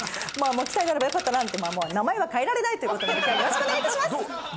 北になればよかったな名前は変えられないということで今日はよろしくお願いいたします。